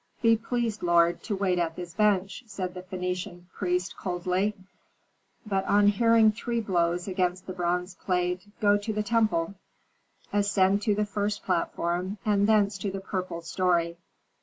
"Be pleased, lord, to wait at this bench," said the Phœnician priest, coldly; "but on hearing three blows against the bronze plate, go to the temple, ascend to the first platform, and thence to the purple story."